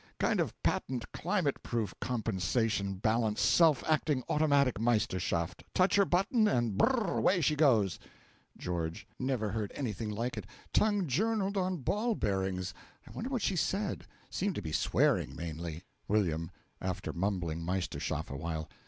kind of patent climate proof compensation balance self acting automatic Meisterschaft touch her button, and br r r! away she goes! GEO. Never heard anything like it; tongue journalled on ball bearings! I wonder what she said; seemed to be swearing, mainly. W. (After mumbling Meisterschaft a while.)